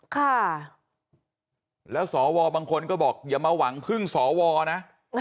ค่ะแล้วสวบางคนก็บอกอย่ามาหวังพึ่งสวนะ